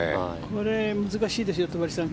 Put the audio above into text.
これ、難しいですよ戸張さん。